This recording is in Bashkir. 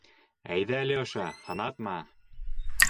Әйҙә, Леша, һынатма!